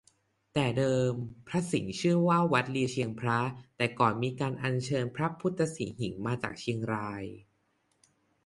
แต่เดิมวัดพระสิงห์ชื่อว่าวัดลีเชียงพระ แต่เมื่อมีการอันเชิญพระพุทธสิหิงค์มาจากเชียงราย